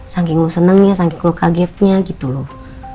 saking lu senengnya saking lu kagetnya gitu loh